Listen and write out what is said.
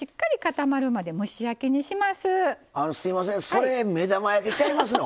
それ目玉焼きちゃいますの？